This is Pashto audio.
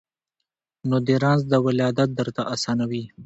نو دي رنځ د ولادت درته آسان وي